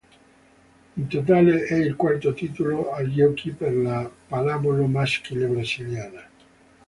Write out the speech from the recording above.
In totale è il quarto titolo ai giochi per la pallavolo maschile brasiliana.